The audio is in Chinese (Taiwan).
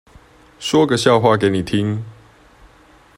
說個笑話給你聽